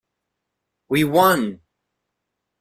We won!